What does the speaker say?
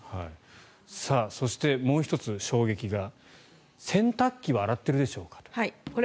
そして、もう１つ衝撃が洗濯機は洗っているでしょうか？